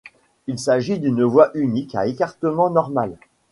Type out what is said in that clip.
Il s'agit d'une voie unique à écartement normal.